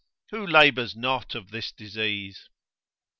Who labours not of this disease?